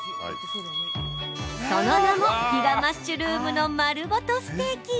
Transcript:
その名も、ギガマッシュルームのまるごとステーキ！